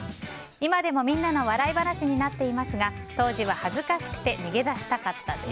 今でもみんなの笑い話になっていますが当時は恥ずかしくて逃げ出したかったです。